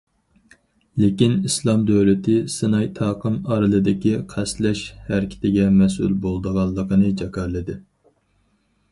لېكىن« ئىسلام دۆلىتى» سىناي تاقىم ئارىلىدىكى قەستلەش ھەرىكىتىگە مەسئۇل بولىدىغانلىقىنى جاكارلىدى.